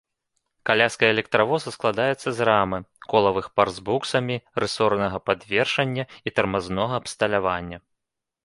Каляска электравоза складаецца з рамы, колавых пар з буксамі, рысорнага падвешвання і тармазнога абсталявання.